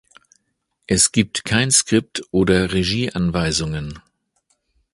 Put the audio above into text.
Es gibt kein Script oder Regieanweisungen.